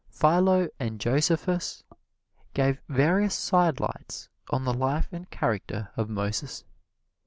Philo and Josephus give various sidelights on the life and character of Moses.